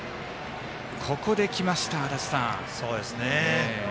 ここできました、足達さん。